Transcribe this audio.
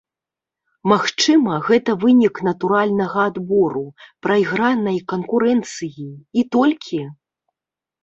Магчыма, гэта вынік натуральнага адбору, прайгранай канкурэнцыі, і толькі?